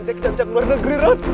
nanti kita bisa keluar negeri rat